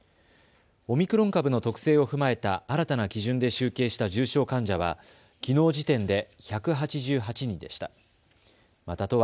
オミクロン株の特性を踏まえた新たな基準で集計した重症患者はきのう時点で１８８人でした。